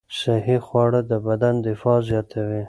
صحي خواړه د بدن دفاع زیاتوي.